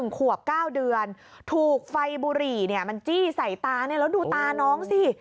ขวบ๙เดือนถูกไฟบุหรี่มันจี้ใส่ตาเนี่ยแล้วดูตาน้องสิ